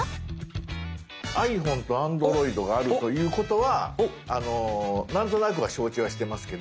ｉＰｈｏｎｅとＡｎｄｒｏｉｄがあるということはなんとなくは承知はしてますけど。